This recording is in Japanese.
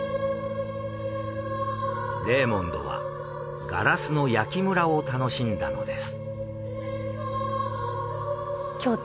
レーモンドはガラスの焼きムラを楽しんだのです。